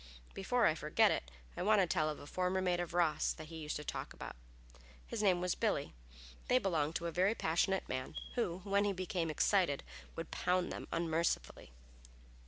Before I forget it, I want to tell of a former mate of Ross that he used to talk about. His name was Billy. They belonged to a very passionate man, who, when he became excited, would pound them unmercifully.